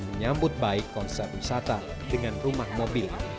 menyambut baik konsep wisata dengan rumah mobil